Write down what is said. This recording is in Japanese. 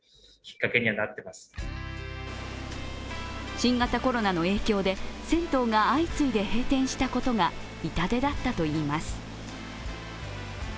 新型コロナの影響で銭湯が相次いで閉店したことが痛手だったといいます。